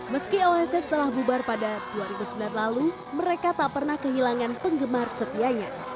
meski oss telah bubar pada dua ribu sembilan lalu mereka tak pernah kehilangan penggemar setianya